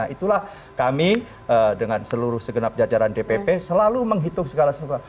itulah kami dengan seluruh segenap jajaran dpp selalu menghitung segala sesuatu